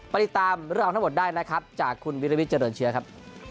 ติดตามเรื่องทั้งหมดได้นะครับจากคุณวิรวิทเจริญเชื้อครับ